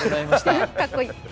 かっこいい。